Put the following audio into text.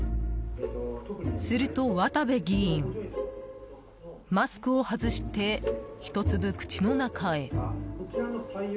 すると、渡部議員マスクを外して１粒口の中へ。